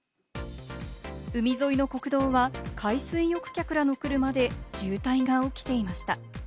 海沿いの国道は海水浴客らの車で渋滞が起きています。